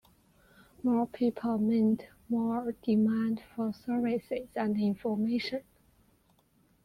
More people meant more demand for services and information.